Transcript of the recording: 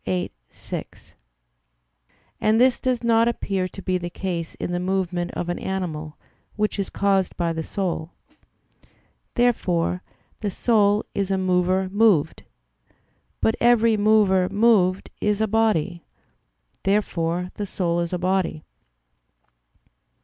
viii, 6; and this does not appear to be the case in the movement of an animal, which is caused by the soul. Therefore the soul is a mover moved. But every mover moved is a body. Therefore the soul is a body.